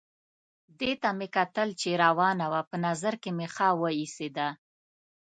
دې ته مې کتل چې روانه وه، په نظر مې ښه وه ایسېده.